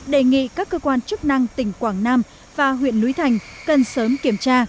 đề nghị các cơ quan chức năng tỉnh quảng nam và huyện núi thành cần sớm kiểm tra